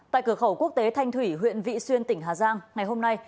tại cửa khẩu quốc tế thanh thủy huyện vị xuyên tỉnh hà giang ngày hôm nay